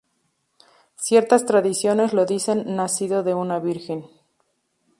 Ciertas tradiciones lo dicen nacido de una virgen.